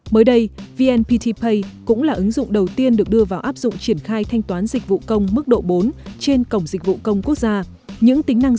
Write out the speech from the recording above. mới đây vnpt pay cũng là ứng dụng đầu tiên được đưa vào áp dụng triển khai thanh toán dịch vụ công mức độ bốn trên cổng dịch vụ công quốc gia